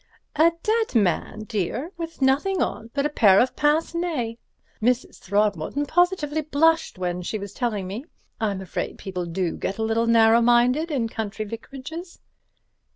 "A dead man, dear, with nothing on but a pair of pince nez. Mrs. Throgmorton positively blushed when she was telling me. I'm afraid people do get a little narrow minded in country vicarages."